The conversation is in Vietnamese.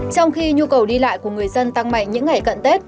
trong khi nhu cầu đi lại của người dân tăng mạnh những ngày cận tết